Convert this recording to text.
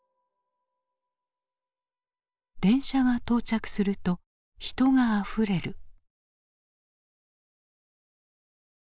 電車が到着すると人があふれる。